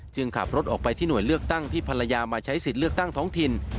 ขับรถออกไปที่หน่วยเลือกตั้งที่ภรรยามาใช้สิทธิ์เลือกตั้งท้องถิ่น